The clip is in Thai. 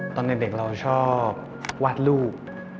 ตอนเด็กเราชอบวาดรูป